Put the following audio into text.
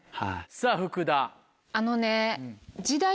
さぁ福田。